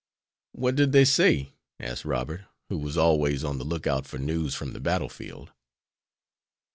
"What did they say?" asked Robert, who was always on the lookout for news from the battle field.